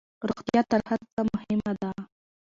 روغتيا تر هرڅه مهمه ده